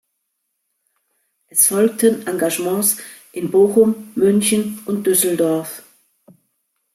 Es folgten Engagements in Bochum, München und Düsseldorf.